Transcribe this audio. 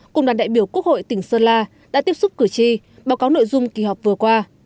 cùng đoàn đại biểu quốc hội tỉnh sơn la đã tiếp xúc cử tri báo cáo nội dung kỳ họp vừa qua